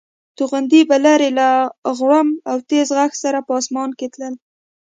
توغندي به لرې له غړومب او تېز غږ سره په اسمان کې تلل.